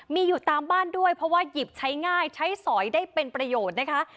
มีอยู่ตามบ้านด้วยเพราะว่าหยิบใช้ง่ายใช้สอยได้เป็นประโยชน์นะคะ